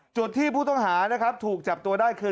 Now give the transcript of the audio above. จุดที่ผู้ต้องหานะครับถูกจับตัวได้คือ